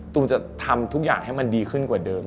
จะทำทุกอย่างให้มันดีขึ้นกว่าเดิม